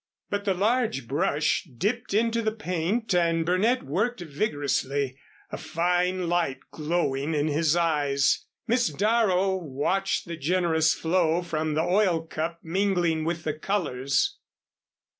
But the large brush dipped into the paint and Burnett worked vigorously, a fine light glowing in his eyes. Miss Darrow watched the generous flow from the oil cup mingling with the colors.